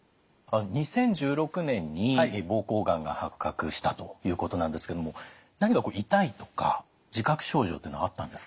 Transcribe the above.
２０１６年に膀胱がんが発覚したということなんですけども何か痛いとか自覚症状っていうのはあったんですか？